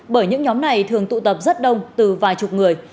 bởi những nhóm này thường tụ tập rất đông từ vài chục người